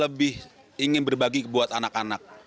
lebih ingin berbagi buat anak anak